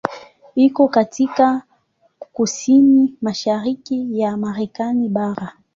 Iko katika kusini mashariki ya Marekani bara.